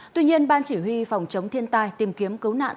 tuy nhiên ban chỉ huy phòng chống thiên tai tìm kiếm cứu nạn